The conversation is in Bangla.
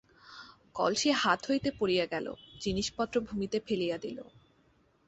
কলসী হাত হইতে পড়িয়া গেল, জিনিষ পত্র ভূমিতে ফেলিয়া দিল।